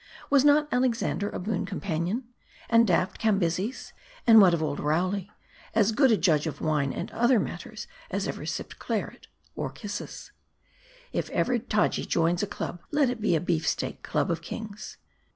Was not Alexander a boon companion ? And daft Cambyses ? and what of old Rowley, as good a judge of wine and other matters, as ever sipped claret or If ever Taji joins a club, be it a Beef Steak Club of Kings